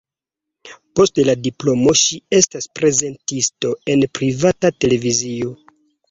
Post la diplomo ŝi estas prezentisto en privata televizio.